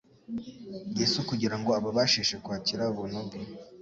Yesu kugira ngo ababashishe kwakira ubuntu bwe,